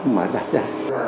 mà đặt ra